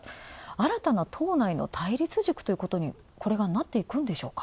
新たな党内の対立軸ということに、これがなっていくんでしょうか。